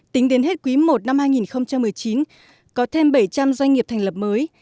tính đến hết quý i năm hai nghìn một mươi chín có thêm bảy trăm linh doanh nghiệp thành lập mới